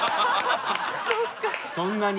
そんなに？